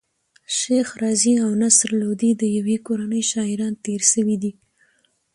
شېخ رضي او نصر لودي د ېوې کورنۍ شاعران تېر سوي دي.